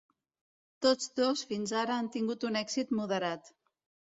Tots dos fins ara han tingut un èxit moderat.